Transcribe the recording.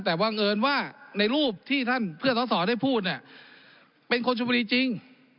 แต่วังเอิญว่าในรูปที่เพื่อนท้อสอได้พูดเป็นคนชมบุรีจริง